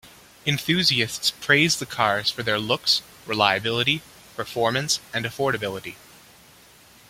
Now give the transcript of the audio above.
Enthusiasts praise the cars for their looks, reliability, performance, and affordability.